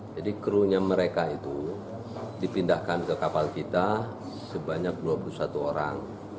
jadi kru nya mereka itu dipindahkan ke kapal kita sebanyak dua puluh satu orang